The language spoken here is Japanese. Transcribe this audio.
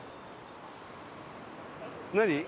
何？